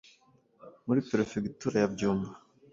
muri Perefegitura ya Byumba